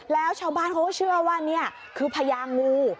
แล้วชาวบ้านเขาก็เชื่อว่านี่คือพญางู